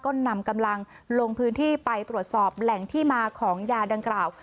ก็นำกำลังลงพื้นที่ไปตรวจสอบแหล่งที่มาของยาดังกล่าว